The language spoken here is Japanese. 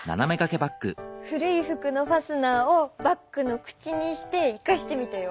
古い服のファスナーをバッグの口にして生かしてみたよ。